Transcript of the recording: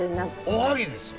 おはぎですよ。